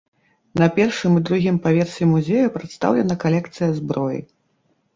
На першым і другім паверсе музея прадстаўлена калекцыя зброі.